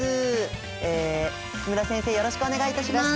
木村先生よろしくお願い致します。